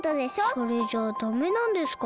それじゃあダメなんですか？